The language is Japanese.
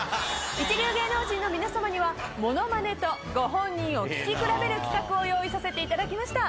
一流芸能人の皆さまにはモノマネとご本人を聴き比べる企画を用意させていただきました。